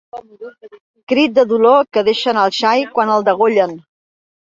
Crit de dolor que deixa anar el xai quan el degollen.